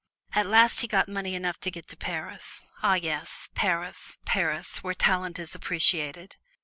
At last he got money enough to get to Paris ah, yes, Paris, Paris, there talent is appreciated!